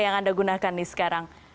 yang anda gunakan sekarang